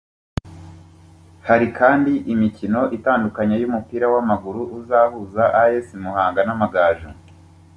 Hari kandi imikino itandukanye y’umupira w’amaguru uzahuza As Muhanga n’Amagaju